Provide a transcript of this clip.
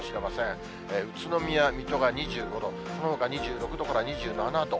宇都宮、水戸が２５度、そのほか２６度から２７度。